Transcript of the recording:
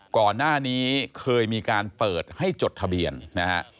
ก่อนหน้านี้เคยมีการเปิดให้จดทะเบียนนะฮะ